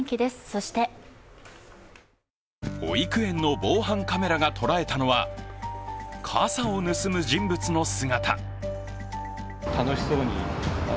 そして保育園の防犯カメラがとらえたのは傘を盗む人物の姿。